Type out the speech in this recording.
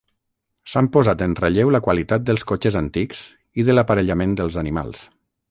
S'han posat en relleu la qualitat dels cotxes antics i de l'aparellament dels animals.